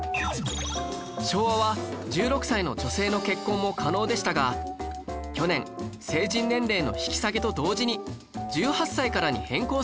昭和は１６歳の女性の結婚も可能でしたが去年成人年齢の引き下げと同時に１８歳からに変更されたんです